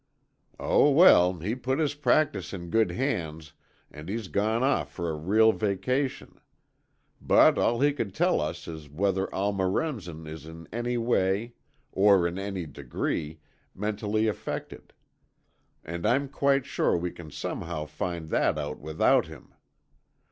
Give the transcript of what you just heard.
"Oh, well, he put his practice in good hands, and he's gone off for a real vacation. But all he could tell us is whether Alma Remsen is in any way or in any degree mentally affected. And I'm quite sure we can somehow find that out without him.